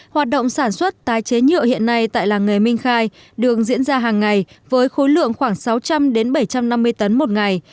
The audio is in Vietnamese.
hoạt động sản xuất tái chế nhựa hiện nay tại làng nghề minh khai đường diễn ra hàng ngày với khối lượng khoảng sáu trăm linh bảy trăm năm mươi tấn một ngày